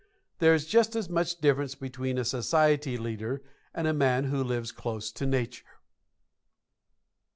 There is just as much difference between a society leader and a man who lives close to nature.